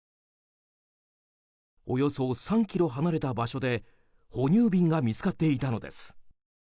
およそ３ｋｍ離れた場所で哺乳瓶が見つかっていたのです。